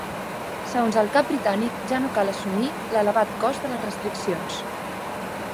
Segons el cap britànic, ja no cal assumir “l’elevat cost” de les restriccions.